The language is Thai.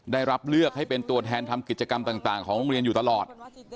ได้รับเลือกให้เป็นตัวแทนทำกิจกรรมต่างของโรงเรียนอยู่ตลอด